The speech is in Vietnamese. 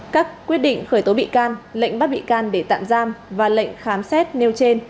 các quyết định khởi tố bị can lệnh bắt bị can để tạm giam và lệnh khám xét nêu trên